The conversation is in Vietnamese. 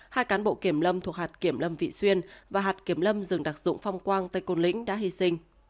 hai cán bộ kiểm lâm thuộc hạt kiểm lâm vị xuyên và hạt kiểm lâm rừng đặc dụng phong quang tây côn lĩnh đã hy sinh